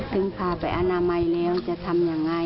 ถึงพาไปอนาไมล์แล้วจะทำยังไง